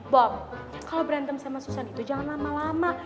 bom kalau berantem sama susan itu jangan lama lama